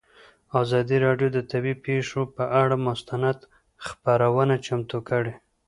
ازادي راډیو د طبیعي پېښې پر اړه مستند خپرونه چمتو کړې.